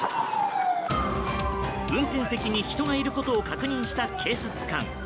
運転席に人がいることを確認した警察官。